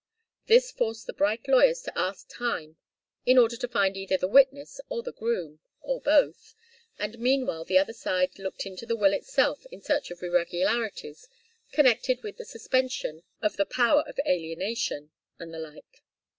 This forced the Bright lawyers to ask time in order to find either the witness or the groom, or both, and meanwhile the other side looked into the will itself in search of irregularities connected with the suspension of the power of alienation, and the like.